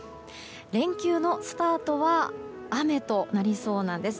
連休のスタートは雨となりそうなんです。